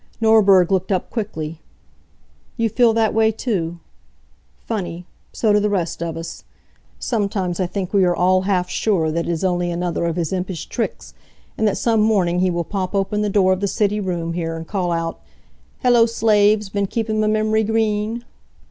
Norberg looked up quickly. "You feel that way, too? Funny. So do the rest of us. Sometimes I think we are all half sure that it is only another of his impish tricks, and that some morning he will pop open the door of the city room here and call out, 'Hello, slaves! Been keepin' m' memory green?'"